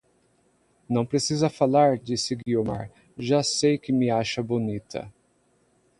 Não precisa falar, disse Guiomar, já sei que me acha bonita